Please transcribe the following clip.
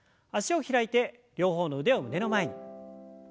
脚を開いて両方の腕を胸の前に。